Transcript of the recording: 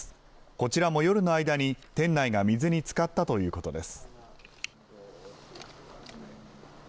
こちらも夜の間に店内が水につかったということです。